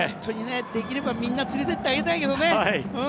できればみんな連れてってあげたいけどね。